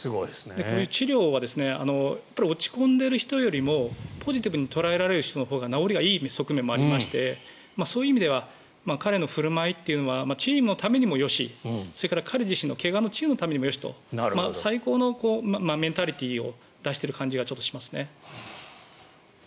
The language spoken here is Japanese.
治療は落ち込んでいる人よりもポジティブに捉えられる人のほうが治りがいい側面もありましてそういう意味では彼の振る舞いはチームのためにもよしそれから彼自身の怪我の治療のためにもよしと最高のメンタリティーを出している感じがしますね。